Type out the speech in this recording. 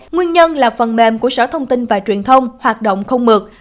nguyên nhân là phần mềm của sở thông tin và truyền thông hoạt động không mượt